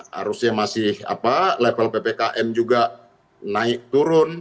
harusnya masih level ppkm juga naik turun